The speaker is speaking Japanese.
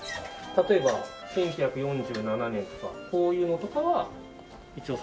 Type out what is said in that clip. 例えば１９４７年とかこういうのとかは一応。